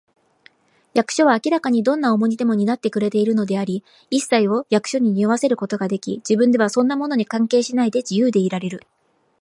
役所は明らかにどんな重荷でも担ってくれているのであり、いっさいを役所に背負わせることができ、自分ではそんなものに関係しないで、自由でいられる